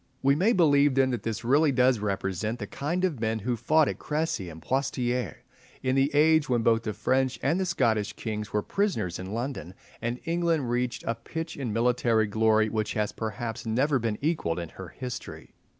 We may believe then that this really does represent the kind of men who fought at Crecy and at Poictiers, in the age when both the French and the Scottish kings were prisoners in London, and England reached a pitch of military glory which has perhaps never been equalled in her history.